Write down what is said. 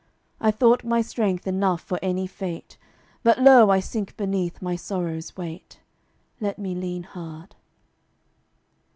I thought my strength enough for any fate, But lo! I sink beneath my sorrow's weight: Let me lean hard.